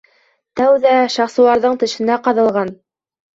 — Тәүҙә Шахсуарҙың тешенә ҡаҙалған...